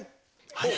はい！